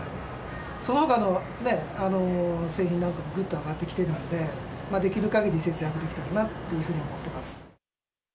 そのほかの製品なんかも、ぐっと上がってきてるので、できるかぎり節約できたらというふうに思ってます。